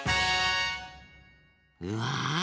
うわ！